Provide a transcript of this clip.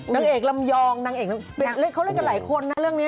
นางเอกลำยองนางเอกเขาเล่นกันหลายคนนะเรื่องนี้